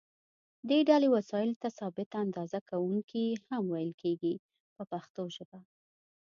دې ډلې وسایلو ته ثابته اندازه کوونکي هم ویل کېږي په پښتو ژبه.